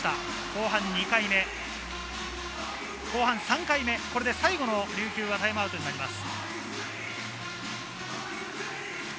後半２回目、後半３回目、これで琉球は最後のタイムアウトになります。